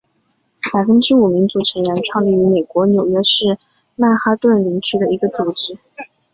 百分之五民族成员创立于美国纽约市曼哈顿哈林区的一个组织。